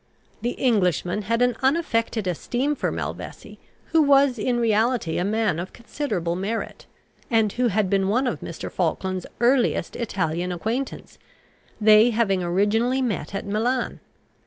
The Englishman had an unaffected esteem for Malvesi, who was in reality a man of considerable merit, and who had been one of Mr. Falkland's earliest Italian acquaintance, they having originally met at Milan.